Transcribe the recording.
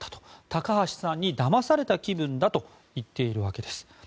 高橋さんにだまされた気分だと言っているわけです。